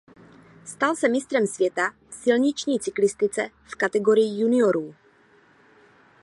Stal se mistrem světa v silniční cyklistice v kategorii juniorů.